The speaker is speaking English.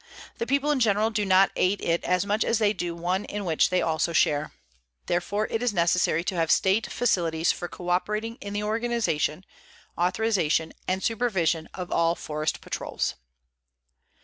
The people in general do not aid it as much as they do one in which they also share. Therefore, it is necessary to have state facilities for coöperating in the organization, authorization and supervision of all forest patrols.